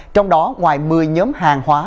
trong đó ngoài một mươi nhóm hàng hóa